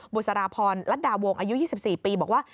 บุษราพรรัดวงดาวงอายุ๒๔ปีบอกว่า